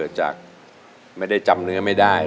จากไม่ได้จำเนื้อไม่ได้